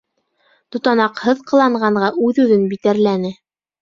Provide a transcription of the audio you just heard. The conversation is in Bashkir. Тотанаҡһыҙ ҡыланғанға үҙ-үҙен битәрләне.